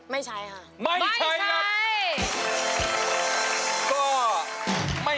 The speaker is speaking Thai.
ไม่ใช้